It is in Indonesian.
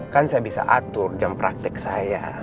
kan saya bisa atur jam praktek saya